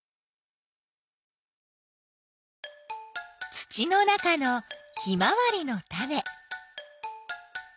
土の中のヒマワリのタネ。